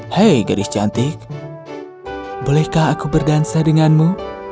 hei gadis cantik bolehkah aku berdansa denganmu